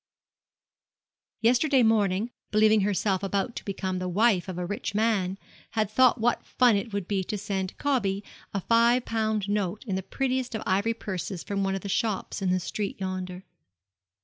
Yesterday morning, believing herself about to become the wife of a rich man, she had thought what fun it would be to send 'Cobby' a five pound note in the prettiest of ivory purses from one of those shops in the street yonder.